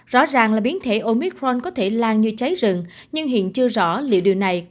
rõ ràng là biến thể omitron có thể lan như cháy rừng nhưng hiện chưa rõ liệu điều này